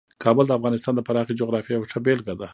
کابل د افغانستان د پراخې جغرافیې یوه ښه بېلګه ده.